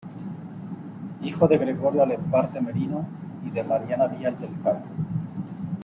Hijo de Gregorio Alemparte Merino y de Mariana Vial del Campo.